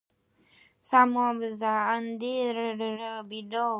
Some of the identified threats to the park are elaborated below.